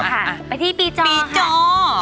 ไปที่ปีจอค่ะ